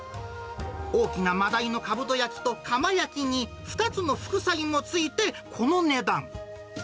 大きなマダイのかぶと焼きとかま焼きに、２つの副菜もついてこの値段。